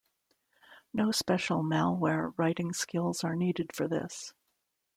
No special malware writing skills are needed for this.